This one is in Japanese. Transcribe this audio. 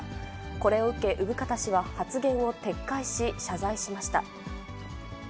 これを受け、生方氏は発言を撤回し、謝罪しました。